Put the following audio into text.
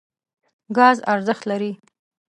ګاز ارزښت لري.